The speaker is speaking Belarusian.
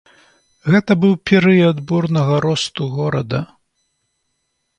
Гэта быў перыяд бурнага росту горада.